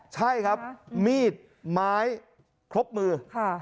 ใช่ครับมีดไม้ครบมือ